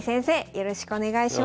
よろしくお願いします。